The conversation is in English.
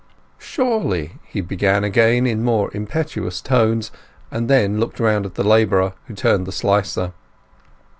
"Surely," he began again, in more impetuous tones, and then looked round at the labourer who turned the slicer.